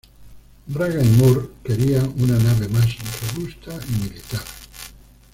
Braga y Moore querían una nave más robusta y militar.